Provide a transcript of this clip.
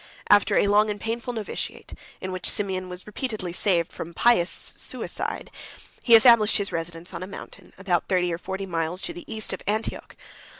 After a long and painful novitiate, in which Simeon was repeatedly saved from pious suicide, he established his residence on a mountain, about thirty or forty miles to the east of Antioch.